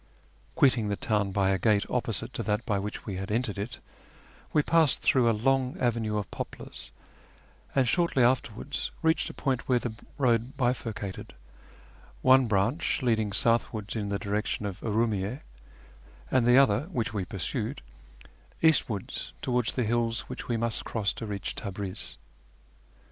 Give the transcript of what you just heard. Quitting the town by a gate opposite to that by which we had entered it, we passed through a long avenue of poplars, and shortly afterwards reached a point where the road bifur cated, one branch running southwards in tlie direction of Urumiyy6, and the other, which we pursued, eastwards towards the hills which we must cross to reach Tabriz.